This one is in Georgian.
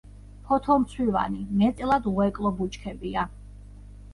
ფოთოლმცვივანი, მეტწილად უეკლო ბუჩქებია.